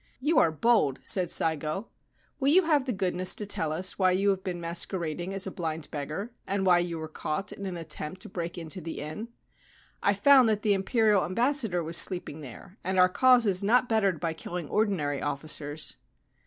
' You are bold,' said Saigo. ' Will you have the goodness to tell us why you have been masquerading as a blind beggar, and why you were caught in an attempt to break into the inn ?'' I found that the Imperial Ambassador was sleeping there, and our cause is not bettered by killing ordinary officers